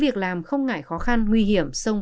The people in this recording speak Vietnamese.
việc làm không ngại khó khăn nguy hiểm sông